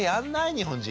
日本人。